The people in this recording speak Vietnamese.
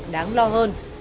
đáng lo hơn